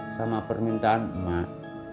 sama permintaan emak